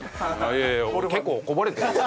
いやいや結構こぼれてるよ。